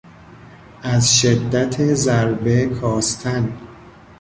از شدت ضربه کاستن